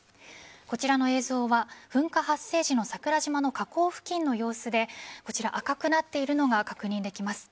こちらの映像は噴火発生時の桜島の火口付近の様子で赤くなっているのが確認できます。